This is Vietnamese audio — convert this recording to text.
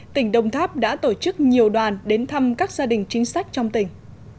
tỉnh đồng tháp đã tổ chức nhiều đoàn đến thăm các gia đình chính sách trong tỉnh